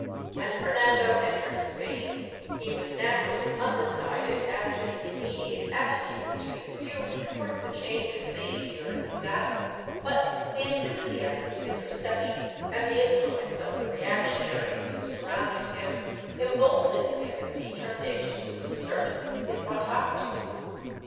I] REACTION 421 When Fernando entered Spain he was naturally undecided as to the immediate attitude to be assumed towards the changes made during his absence, but the enthusiasm of his reception and the influence of the reactionaries who surrounded him emboldened him in the determination to assert his autocracy.